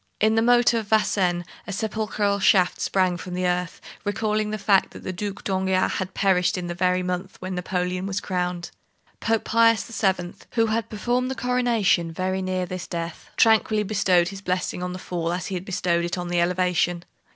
In the moat of Vincennes a sepulchral shaft sprang from the earth, recalling the fact that the Duc d'Enghien had perished in the very month when Napoleon was crowned. Pope Pius VII., who had performed the coronation very near this death, tranquilly bestowed his blessing on the fall as he had bestowed it on the elevation.